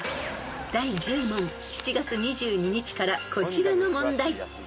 ［第１０問７月２２日からこちらの問題］